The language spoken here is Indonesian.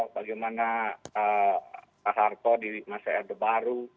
bagaimana pak harto di masa erdebaru